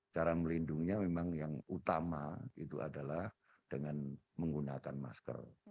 cara melindunginya memang yang utama itu adalah dengan menggunakan masker